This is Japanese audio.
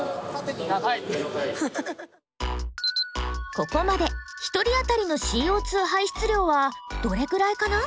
ここまで１人あたりのＣＯ排出量はどれくらいかな？